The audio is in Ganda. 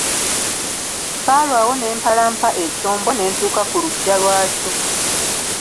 Saalwawo ne mpalampa ekyombo ne ntuuka ku luggya lwakyo.